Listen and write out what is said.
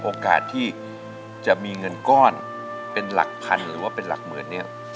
โอกาสที่จะมีเงินก้อนเป็นหลักพันหรือว่าเป็นหลักหมื่นเนี่ย